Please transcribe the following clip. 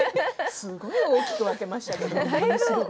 すごく大きく分けましたね。